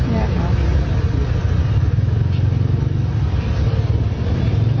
เนี่ยค่ะ